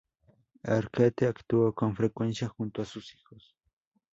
Arquette actuó con frecuencia junto a sus hijos.